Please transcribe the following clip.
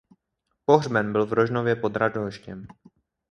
Pohřben byl v Rožnově pod Radhoštěm.